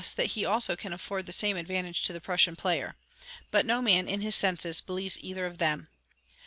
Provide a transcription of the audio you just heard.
that he also can afford the same advantage to the Prussian player. But no man in his senses believes either of them.